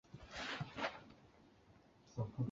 佐吉有空时也会去尾张附近的工业区。